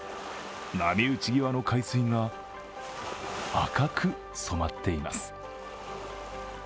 波打ち際の海水が赤く染まっています。